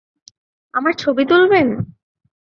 আমার ছবি তুলবেন?